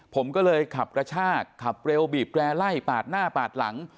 ผมก็เลยขับกระชากขับเร็วบีบแร่ไล่ปาดหน้าปาดหลัง